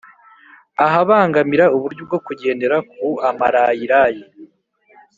ahabangamira uburyo bwo kugendera ku amarayirayi